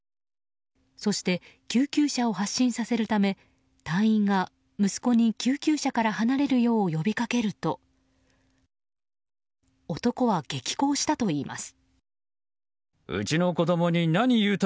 そして、救急車を発進させるため隊員が息子に救急車から離れるよう呼びかけると男は激高したといいます。